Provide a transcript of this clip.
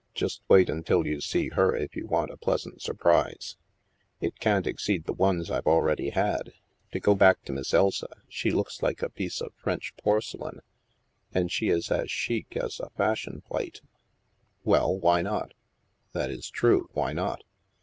Just wait until you see her, if you want a pleasant surprise." " It can't exceed the ones I have already had. To go back to Miss Elsa, she looks like a piece of French porcelain. And she is as chic as a fashion plate." Well, why not?" " That is true ; why not